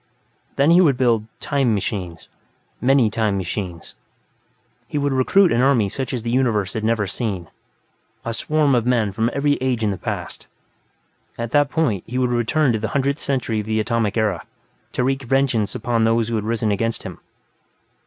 Then, he would build "time machines", many "time machines". He would recruit an army such as the universe had never seen, a swarm of men from every age in the past. At that point, he would return to the Hundredth Century of the Atomic Era, to wreak vengeance upon those who had risen against him.